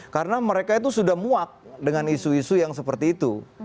karena mereka itu sudah muak dengan isu isu yang seperti itu